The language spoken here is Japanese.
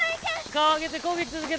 顔上げてこぎ続け